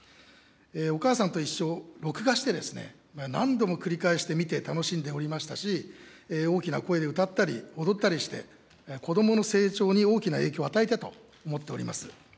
おかあさんといっしょを録画して、何度も繰り返して見て、楽しんでおりましたし、大きな声で歌ったり、踊ったりして、子どもの成長に大きな影響を与えたと思っております。